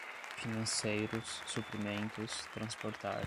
financeiros, suprimentos, transportar